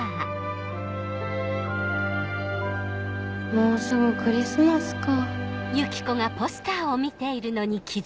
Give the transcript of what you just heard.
もうすぐクリスマスか。